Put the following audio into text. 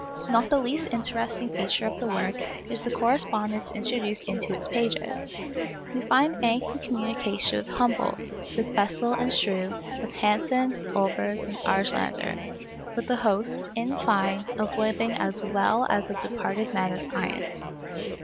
Not the least interesting feature of the work is the correspondence introduced into its pages. We find Encke in communication with Humboldt, with Bessel and Struve, with Hansen, Olbers, and Argelander; with a host, in fine, of living as well as of departed men of science.